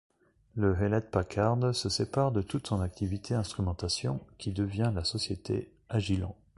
Le Hewlett-Packard se sépare de toute son activité instrumentation, qui devient la société Agilent.